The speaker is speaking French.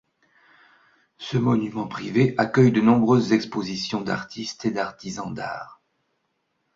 Ce monument privé accueille de nombreuses expositions d'artistes et d'artisans d'art.